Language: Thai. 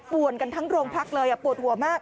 วนกันทั้งโรงพักเลยปวดหัวมาก